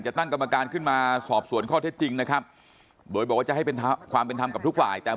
ตั้งกรรมการขึ้นมาสอบสวนข้อเท็จจริงนะครับโดยบอกว่าจะให้เป็นความเป็นธรรมกับทุกฝ่ายแต่